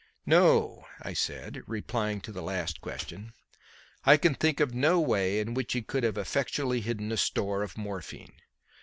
"No," I said, replying to the last question; "I can think of no way in which he could have effectually hidden a store of morphine.